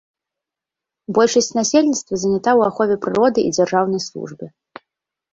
Большасць насельніцтва занята ў ахове прыроды і дзяржаўнай службе.